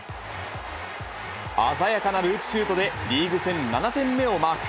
鮮やかなループシュートで、リーグ戦７点目をマーク。